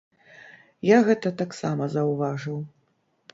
Я гэта таксама заўважыў.